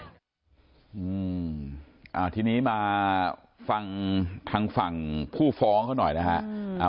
อืมอ่าทีนี้มาฟังทางฝั่งผู้ฟ้องเขาหน่อยนะฮะ